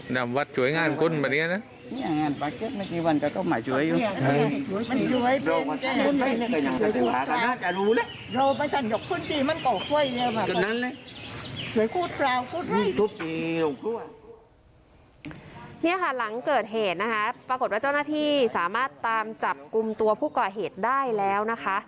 นี่ค่ะหลังเกิดเหตุนะคะปรากฏว่าเจ้าหน้าที่สามารถตามจับกลุ่มตัวผู้ก่อเหตุได้แล้วนะคะ